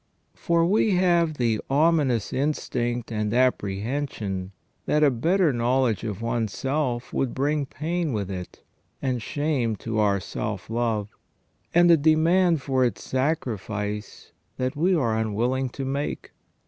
For we have the ominous instinct and apprehension that a better knowledge of one's self would bring pain with it, and shame to our self love, and a demand for its sacrifice that we are unwilling to make.